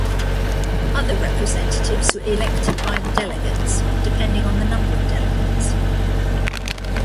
Other representatives were elected by the delegates, depending on the number of delegates.